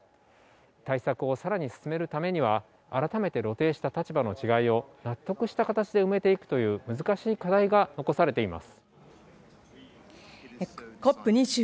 対策をさらに進めるためには改めて露呈した立場の違いを納得した形で埋めていくという難しい課題が残されています。